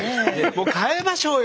変えましょうよ！